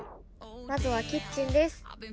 「まずはキッチンです」